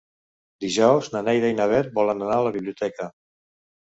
Dijous na Neida i na Bet volen anar a la biblioteca.